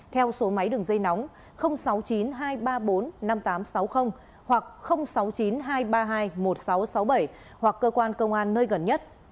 theo số máy đường dây nóng sáu mươi chín hai trăm ba mươi bốn năm nghìn tám trăm sáu mươi hoặc sáu mươi chín hai trăm ba mươi hai một nghìn sáu trăm sáu mươi bảy hoặc cơ quan công an nơi gần nhất